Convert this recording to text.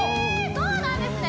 そうなんですね！